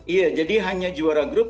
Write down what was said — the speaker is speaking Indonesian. iya jadi hanya juara grup